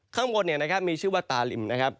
ข้างบนมีชื่อว่าตาลิม